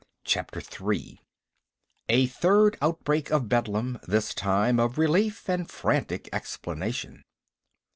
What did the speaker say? A third outbreak of bedlam, this time of relief and frantic explanation.